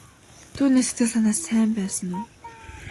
Түүний сэтгэл санаа сайн байсан уу?